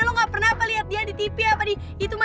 maksud untuk pelan pelan apa apa gitu ya